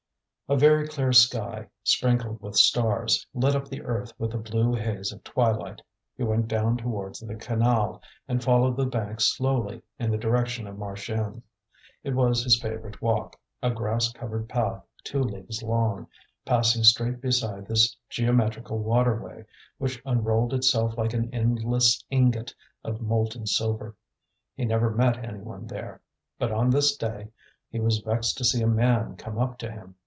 A very clear sky, sprinkled with stars, lit up the earth with the blue haze of twilight. He went down towards the canal, and followed the bank slowly, in the direction of Marchiennes. It was his favourite walk, a grass covered path two leagues long, passing straight beside this geometrical water way, which unrolled itself like an endless ingot of molten silver. He never met any one there. But on this day he was vexed to see a man come up to him.